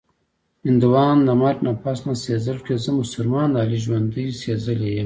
هندوان د مرګ نه پس سېزل کړي-زه مسلمان لالي ژوندۍ سېزلې یمه